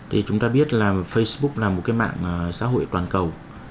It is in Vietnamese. thì chúng ta biết là facebook là một cái mạng xã hội toàn cầu